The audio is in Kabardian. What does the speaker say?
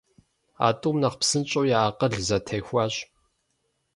А тӏум нэхъ псынщӀэу я акъыл зэтехуащ.